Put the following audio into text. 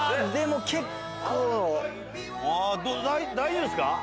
大丈夫っすか？